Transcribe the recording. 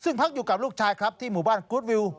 ซึ่งพักอยู่กับลูกชายครับที่หมู่บ้านกู๊ดวิว